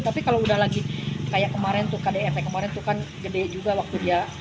tapi kalau udah lagi kayak kemarin tuh kdf kemarin tuh kan gede juga waktu dia